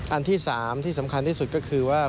อันที่๓ที่สำคัญที่สุดก็คือว่า